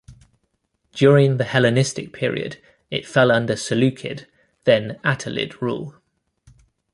During the Hellenistic period it fell under Seleucid, then Attalid rule.